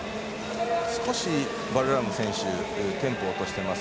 少しバルラーム選手テンポ落としてます。